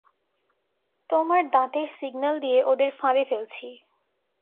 তোমার দাঁতের সিগন্যাল দিয়ে ওদের ফাঁদে ফেলছি।